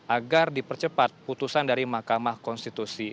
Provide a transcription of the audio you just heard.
agar dipercepat putusan dari mahkamah konstitusi